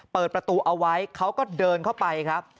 เปิดประตูเอาไว้เขาก็เดินเข้าไปครับ